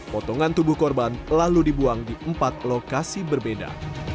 potongan tubuh korban lalu dibuang di empat lokasi berbeda